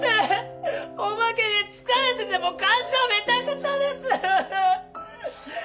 おまけに疲れててもう感情めちゃくちゃです。